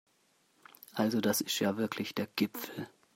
Also das ist ja wirklich der Gipfel!